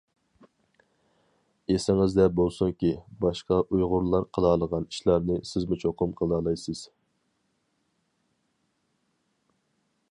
ئېسىڭىزدە بولسۇنكى، باشقا ئۇيغۇرلار قىلالىغان ئىشلارنى سىزمۇ چوقۇم قىلالايسىز.